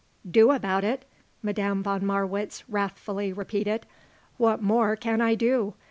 "Do about it?" Madame von Marwitz wrathfully repeated. "What more can I do?